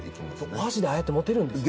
お箸でああやって持てるんです。